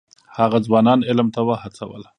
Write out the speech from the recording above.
هغه ځوانان علم ته وهڅول.